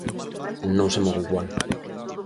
Non se move igual.